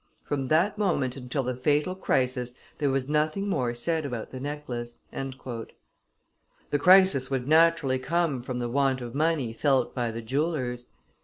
From that moment until the fatal crisis there was nothing more said about the necklace." The crisis would naturally come from the want of money felt by the jewellers.